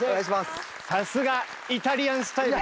さすがイタリアンスタイルで。